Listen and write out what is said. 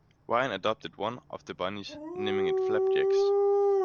Ryan adopted one of the bunnies, naming it Flapjacks.